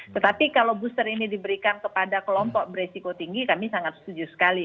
tetapi kalau booster ini diberikan kepada kelompok beresiko tinggi kami sangat setuju sekali